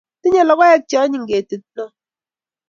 Tinye logoek che onyiny ketit no